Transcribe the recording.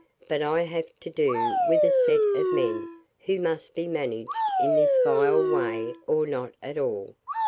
But I have to do with a set of men who must be managed in this vile way or not at all.